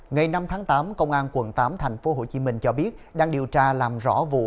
ngày năm tháng tám công an quận tám thành phố hồ chí minh cho biết đang điều tra làm rõ vụ